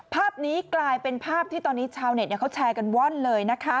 ภาพนี้กลายเป็นภาพที่ตอนนี้ชาวเน็ตเขาแชร์กันว่อนเลยนะคะ